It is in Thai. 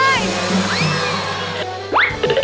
เร็ว